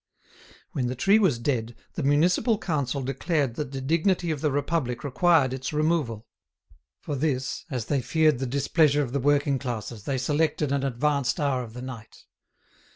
When the tree was dead the Municipal Council declared that the dignity of the Republic required its removal. For this, as they feared the displeasure of the working classes, they selected an advanced hour of the night.